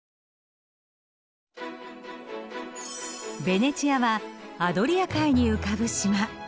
ベネチアはアドリア海に浮かぶ島。